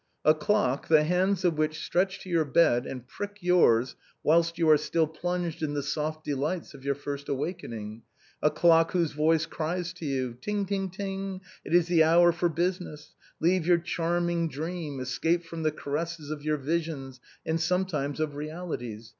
A clock, the hands of which stretch to your bed and prick yours whilst you are still plunged in the soft delights of your first awakening. A clock, whose voice cries to you, ' Ting, ting, ting ; it is the hour for business. Leave your charming dream, escape from the caresses of your visions, and sometimes of realities.